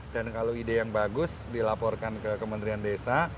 dan kalau ide yang bagus dilaporkan ke kementerian desa